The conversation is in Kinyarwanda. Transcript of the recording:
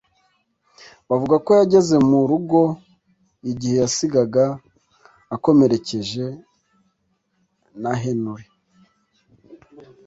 bavuga ko yageze mu rugoigihe yasigaga akomerekeje na Henry